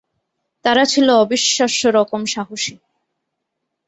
তারা ছিল অবিশ্বাস্য রকম সাহসী।